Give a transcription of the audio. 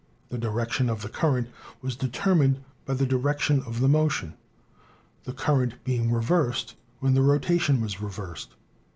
The direction of the current was determined by the direction of the mo tion, the current being reversed when the rotation was reversed.